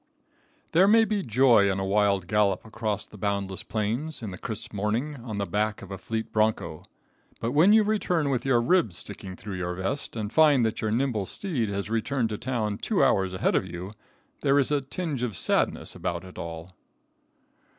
There may be joy in a wild gallop across the boundless plains, in the crisp morning, on the back of a fleet broncho; but when you return with your ribs sticking through your vest, and find that your nimble steed has returned to town two hours ahead of you, there is a tinge of sadness about it all.